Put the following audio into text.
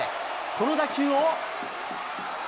この打球を。